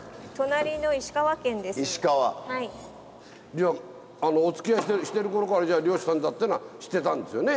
じゃおつきあいしてるころから漁師さんだっていうのは知ってたんですよね。